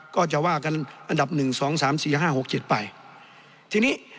ก็จะว่ากันอันดับหนึ่งสองสามสี่ห้าหกเจ็ดไปทีนี้